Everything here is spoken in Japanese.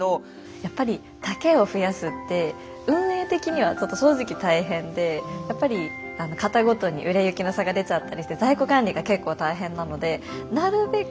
やっぱり丈を増やすって運営的にはちょっと正直大変でやっぱり型ごとに売れ行きの差が出ちゃったりして在庫管理が結構大変なのでなるべく